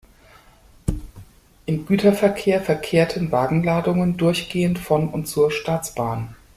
Im Güterverkehr verkehrten Wagenladungen durchgehend von und zur Staatsbahn.